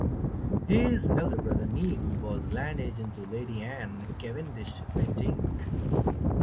His elder brother Neil was land agent to Lady Anne Cavendish-Bentinck.